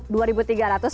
dua ribu tiga ratus